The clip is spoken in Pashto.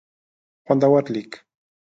خوندور لیک